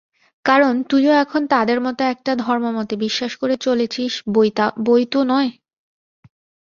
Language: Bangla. কারণ তুইও এখন তাদের মত একটা ধর্মমতে বিশ্বাস করে চলেছিস বৈ তো নয়।